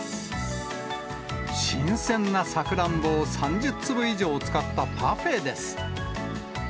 新鮮なさくらんぼを３０粒以上使ったパフェです。